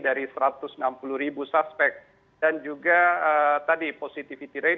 dari satu ratus enam puluh ribu suspek dan juga tadi positivity rate